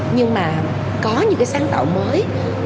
nhưng mà có những cái sáng tạo mới